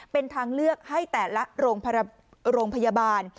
เป็นทางเลือกให้แต่ละโรงพยาบาล